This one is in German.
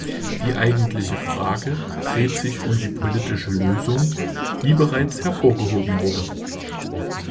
Die eigentliche Frage dreht sich um die politische Lösung, wie bereits hervorgehoben wurde.